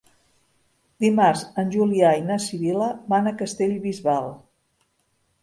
Dimarts en Julià i na Sibil·la van a Castellbisbal.